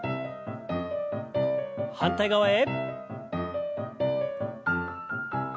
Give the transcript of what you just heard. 反対側へ。